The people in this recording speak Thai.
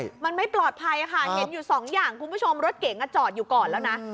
มันไม่ปลอดภัยค่ะเห็นอยู่สองอย่างคุณผู้ชมรถเก๋งอ่ะจอดอยู่ก่อนแล้วนะ